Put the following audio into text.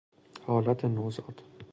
حالت نوزاد